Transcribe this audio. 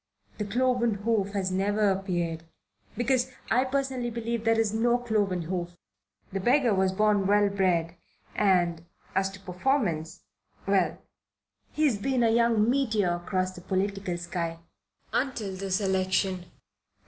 The cloven hoof has never appeared, because I personally believe there's no cloven hoof. The beggar was born well bred, and, as to performance well he has been a young meteor across the political sky. Until this election.